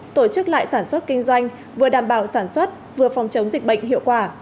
tổ chức lại sản xuất kinh doanh vừa đảm bảo sản xuất vừa phòng chống dịch bệnh hiệu quả